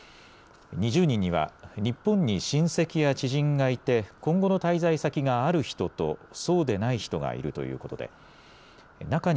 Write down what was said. ２０人には日本に親戚や知人がいて今後の滞在先がある人とそうでない人がいるということです。